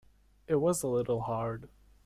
It was a little hard.